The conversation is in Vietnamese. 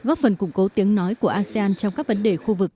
góp phần củng cố tiếng nói của asean trong các vấn đề khu vực